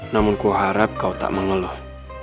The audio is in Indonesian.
namun ku harap kau tak mengeluh